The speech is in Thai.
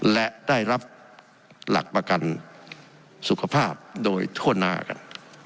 และได้รับหลักประกันสุขภาพโดยทั่วหน้ากัน